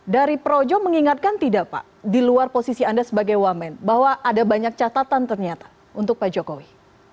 dari projo mengingatkan tidak pak di luar posisi anda sebagai wamen bahwa ada banyak catatan ternyata untuk pak jokowi